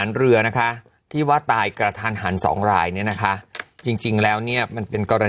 คือวิธีเปลี่ยนไปเรื่อยนะ